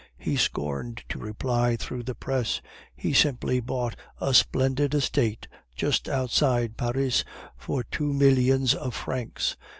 He scorned to reply through the press; he simply bought a splendid estate just outside Paris for two millions of francs.